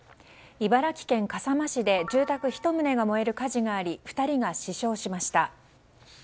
茨城県笠間市で住宅１棟が燃える火事があり２人が死傷しました。